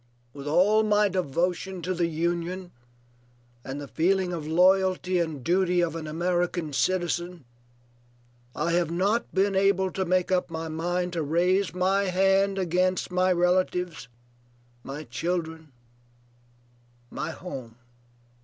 With all my devotion to the Union and the feeling of loyalty and duty of an American citizen, I have not been able to make up my mind to raise my hand against my relatives, my children, my home."